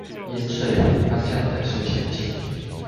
沿水平方向等速前進